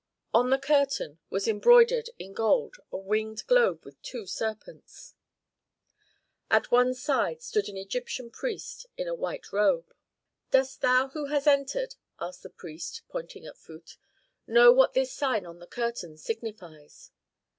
On the curtain was embroidered in gold a winged globe with two serpents. At one side stood an Egyptian priest in a white robe. "Dost thou who hast entered," asked the priest, pointing at Phut, "know what this sign on the curtain signifies?"